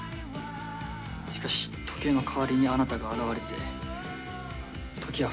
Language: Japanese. しかし時計の代わりにあなたが現れて時は再び動きだしたんだ。